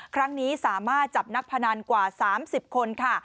ครั้งนี้สามารถจับนักพนันกว่า๓๐คนค่ะ